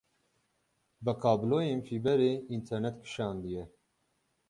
Bi kabloyên fîberê înternet kişandiye.